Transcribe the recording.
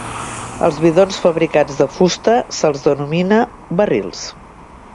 Als bidons fabricats de fusta se'ls denomina barrils.